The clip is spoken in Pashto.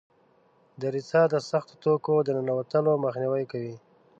دریڅه د سختو توکو د ننوتلو مخنیوی کوي.